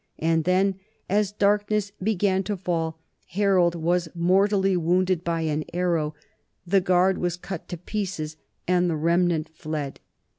And then, as darkness began to fall, Har old was mortally wounded by an arrow, the guard was cut to pieces, and the remnant fled.